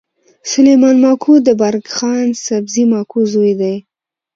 سلیمان ماکو د بارک خان سابزي ماکو زوی دﺉ.